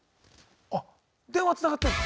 あ電話つながってんの？